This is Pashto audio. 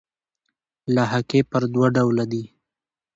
لاحقې پر دوه ډوله دي.